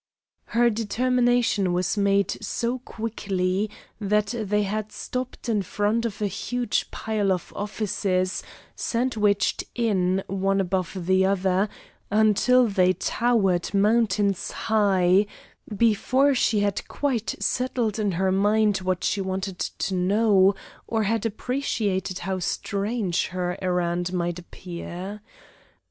Her determination was made so quickly that they had stopped in front of a huge pile of offices, sandwiched in, one above the other, until they towered mountains high, before she had quite settled in her mind what she wanted to know, or had appreciated how strange her errand might appear.